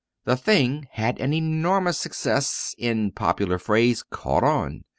The thing had an enormous success in popular phrase, "caught on."